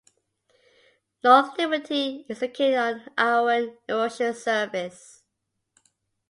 North Liberty is located on the Iowan erosion surface.